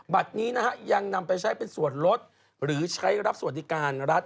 นี้นะฮะยังนำไปใช้เป็นส่วนลดหรือใช้รับสวัสดิการรัฐ